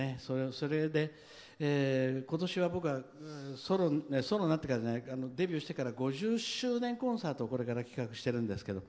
それで今年、僕はデビューしてから５０周年コンサートをこれから企画してるんですけど。